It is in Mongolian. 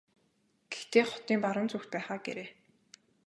Гэхдээ хотын баруун зүгт байх аа гээрэй.